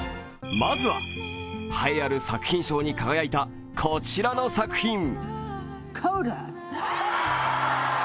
まずは栄えある作品賞に輝いたこちらの作品。